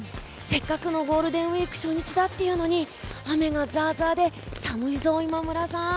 せっかくのゴールデンウィーク初日だっていうのに雨がザーザーで寒いぞ、今村さん。